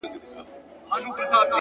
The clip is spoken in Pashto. او دحرکت انقلاب اسلامي قايد